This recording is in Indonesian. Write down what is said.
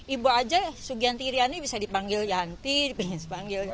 ibu aja sugianti iriani bisa dipanggil yanti dipanggil yanti iya